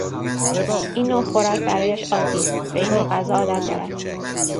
این نوع خوراک برایش عادی است، به این نوع غذا عادت دارد.